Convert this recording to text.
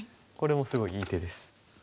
これもすごいいい手です。